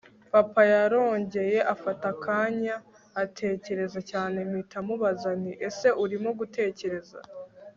papa yarongeye afata akanya atekereza cyane mpita mubaza nti ese urimo gutekereza